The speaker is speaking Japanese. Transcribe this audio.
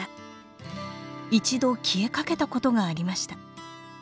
一度消えかけたことがありました。